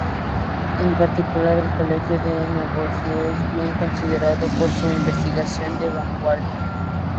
En particular, el Colegio de Negocios es bien considerado por su investigación de vanguardia.